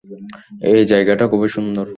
এ জায়গাটা খুবই সুন্দর।